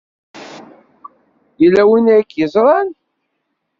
Yella win ay k-yeẓran.